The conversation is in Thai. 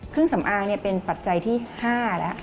เครื่องสำอางเป็นปัจจัยที่๕แล้ว